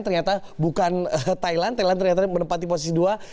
ternyata bukan thailand thailand ternyata menempati posisi dua